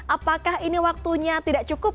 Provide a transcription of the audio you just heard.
apakah ini waktunya tidak cukup